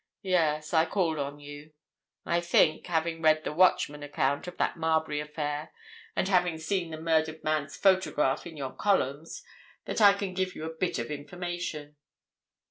Yes, I called on you. I think, having read the Watchman account of that Marbury affair, and having seen the murdered man's photograph in your columns, that I can give you a bit of information."